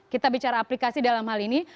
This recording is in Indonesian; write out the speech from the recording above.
kita bicara aplikasi dalam hal ini